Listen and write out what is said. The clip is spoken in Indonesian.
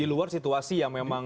di luar situasi yang memang